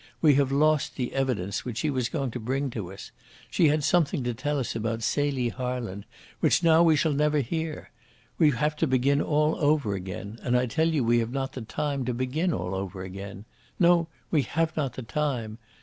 We have lost the evidence which she was going to bring to us. She had something to tell us about Celie Harland which now we shall never hear. We have to begin all over again, and I tell you we have not the time to begin all over again. No, we have not the time.